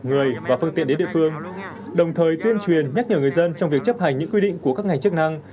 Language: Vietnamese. người và phương tiện đến địa phương đồng thời tuyên truyền nhắc nhở người dân trong việc chấp hành những quy định